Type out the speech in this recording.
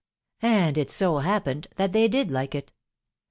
And it so happened that they did like it.